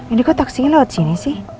ini kok taksinya lewat sini sih